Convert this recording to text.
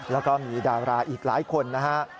แล้วก็มีดาราอีกหลายคนนะฮะ